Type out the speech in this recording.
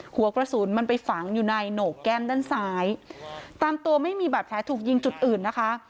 หัวกระสุนมันไปฝังอยู่ในโหนกแก้มด้านซ้ายตามตัวไม่มีบาดแผลถูกยิงจุดอื่นนะคะ